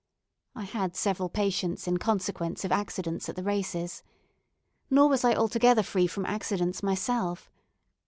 I had several patients in consequence of accidents at the races. Nor was I altogether free from accidents myself.